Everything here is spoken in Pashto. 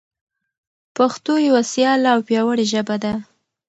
پښتو یوه سیاله او پیاوړي ژبه ده.